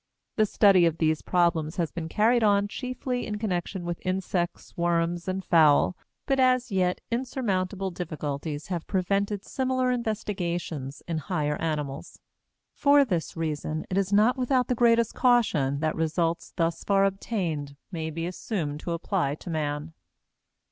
The study of these problems has been carried on chiefly in connection with insects, worms, and fowl; but as yet insurmountable difficulties have prevented similar investigations in higher animals. For this reason, it is not without the greatest caution that results thus far obtained may be assumed to apply to man.